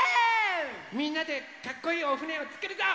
みんなでかっこいいおふねをつくるぞ！